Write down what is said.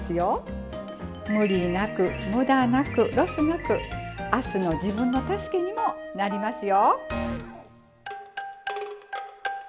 無理なくムダなくロスなく明日の自分の助けにもなりますよ。